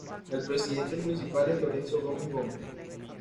El presidente municipal es Lorenzo Gómez Gómez.